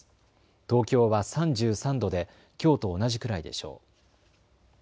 東京は３３度できょうと同じくらいでしょう。